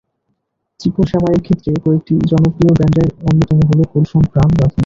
চিকন সেমাইয়ের ক্ষেত্রে কয়েকটি জনপ্রিয় ব্র্যান্ডের অন্যতম হলো কুলসন, প্রাণ, রাঁধুনী।